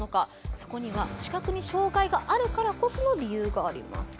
そこには、視覚に障がいがあるからこその理由があります。